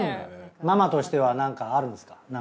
ママとしては何かあるんですか？